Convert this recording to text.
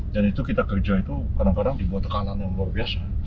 dan itu kita kerja itu kadang kadang dibuat tekanan yang luar biasa